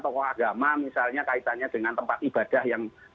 tokoh agama misalnya kaitannya dengan tempat ibadah yang